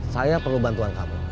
saya perlu bantuan kamu